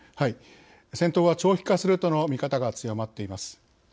戦闘は長期化するとの見方が強まっています。